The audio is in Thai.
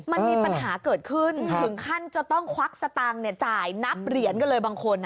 มันมีปัญหาเกิดขึ้นถึงขั้นจะต้องควักสตางค์จ่ายนับเหรียญกันเลยบางคน